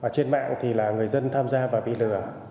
trên mạng thì là người dân tham gia và bị lừa